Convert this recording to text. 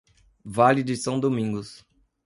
Vale de São Domingos